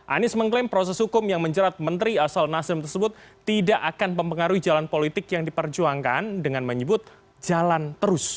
anies mengklaim proses hukum yang menjerat menteri asal nasdem tersebut tidak akan mempengaruhi jalan politik yang diperjuangkan dengan menyebut jalan terus